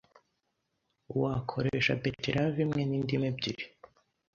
wakoresha Beterave imwe n’indimu ebyiri